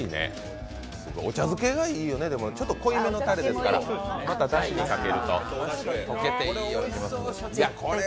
お茶漬けがいいよね、ちょっと濃いめのたれですから、だしにかけると溶けていいよね。